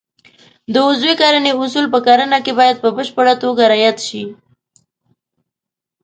د عضوي کرنې اصول په کرنه کې باید په بشپړه توګه رعایت شي.